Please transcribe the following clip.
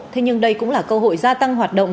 thế nhưng đây cũng là cơ hội gia tăng hoạt động